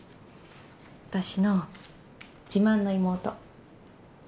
私の自慢の妹。